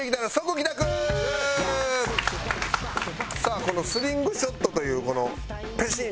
さあこのスリングショットというこのペシン！